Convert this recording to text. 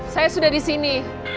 saya sudah di sini